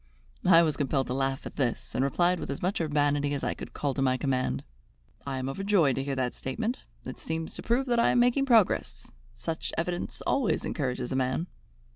I was compelled to laugh at this, and replied with as much urbanity as I could call to my command: "I am overjoyed to hear that statement. It seems to prove that I am making progress. Such evidence always encourages a man."